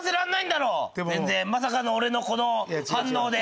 まさかの俺のこの反応で。